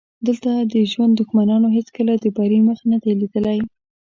دلته د ژوند دښمنانو هېڅکله د بري مخ نه دی لیدلی.